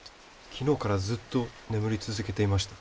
昨日からずっと眠り続けていました。